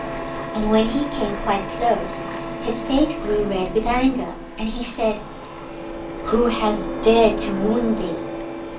And when he came quite close his face grew red with anger, and he said, "Who hath dared to wound thee?"